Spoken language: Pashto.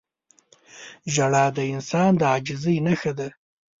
• ژړا د انسان د عاجزۍ نښه ده.